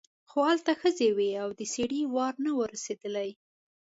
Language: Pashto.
خو هلته ښځې وې او د سړي وار نه و رسېدلی.